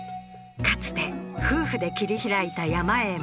かつて夫婦で切り開いた山へ戻り